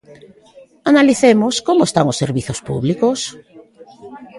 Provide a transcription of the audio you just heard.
Analicemos como están os servizos públicos.